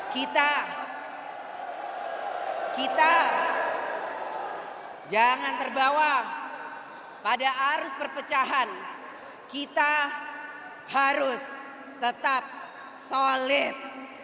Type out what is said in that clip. kita kita jangan terbawa pada arus perpecahan kita harus tetap solid